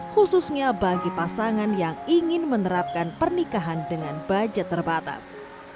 khususnya bagi pasangan yang ingin menerapkan pernikahan dengan budget terbatas